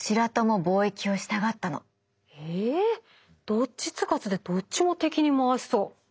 どっちつかずでどっちも敵に回しそう。